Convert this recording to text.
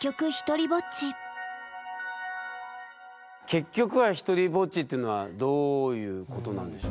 結局はひとりぼっちっていうのはどういうことなんでしょう？